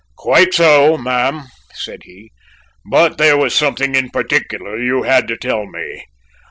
"Quite so, ma'am," said he, "but there was something in particular you had to tell me.